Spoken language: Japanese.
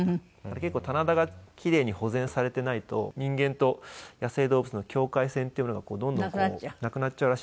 結構棚田が奇麗に保全されていないと人間と野生動物の境界線っていうものがどんどんなくなっちゃうらしいんですよね。